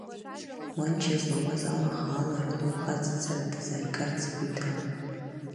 Манча излауаз ала, хаала Радоу хаҵацара дазааигарц игәы иҭан.